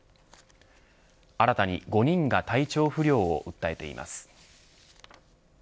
新たに５人が体調不良を訴えています。